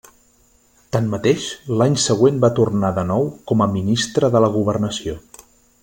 Tanmateix, l'any següent va tornar de nou com a Ministre de la Governació.